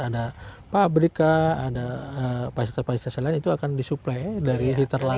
ada pabrika ada pasca pasca selain itu akan disuplai dari hitel lain